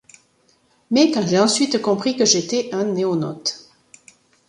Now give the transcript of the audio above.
Mais quand j'ai ensuite compris que j'étais un NoéNaute.